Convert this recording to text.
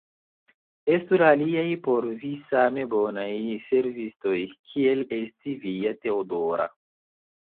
Estu la aliaj por vi same bonaj servistoj, kiel estis via Teodora!